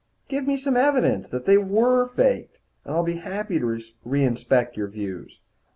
"Give me some evidence that they were faked, and I'll be happy to reinspect your views."